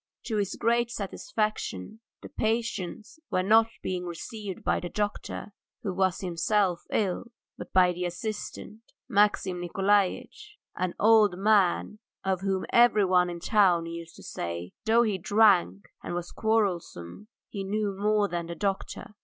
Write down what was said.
To his great satisfaction the patients were not being received by the doctor, who was himself ill, but by the assistant, Maxim Nikolaitch, an old man of whom everyone in the town used to say that, though he drank and was quarrelsome, he knew more than the doctor.